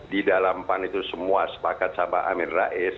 di dalam pan itu semua sepakat sama amin rais